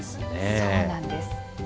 そうなんです。